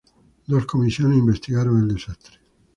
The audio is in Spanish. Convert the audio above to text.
Dos comisiones investigaron el desastre.